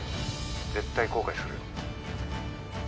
絶対後悔するよ